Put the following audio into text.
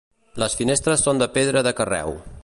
Les finestres són de pedra de carreu.